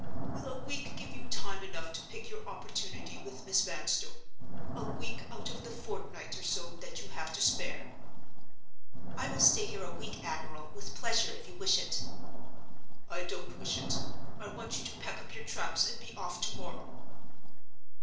Will a week give you time enough to pick your opportunity with Miss Vanstone—a week out of the fortnight or so that you have to spare?" "I will stay here a week, admiral, with pleasure, if you wish it." "I don't wish it. I want you to pack up your traps and be off to morrow."